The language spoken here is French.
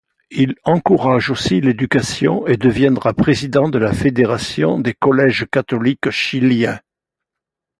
Il encourage aussi l'éducation et deviendra président de la Fédération des Collèges Catholiques Chiliens.